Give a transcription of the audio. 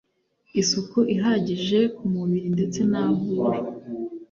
Isuku ihagije ku mubiri ndetse n’aho uri